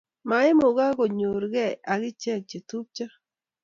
maimugak konyor gei ak ichek chetupcho